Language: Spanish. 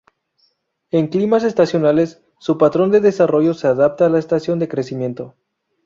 En climas estacionales, su patrón de desarrollo se adapta a la estación de crecimiento.